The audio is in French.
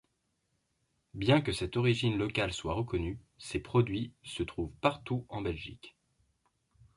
Bien que cette origine locale soit reconnue, ces produits se trouvent partout en Belgique.